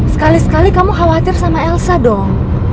sekali sekali kamu khawatir sama elsa dong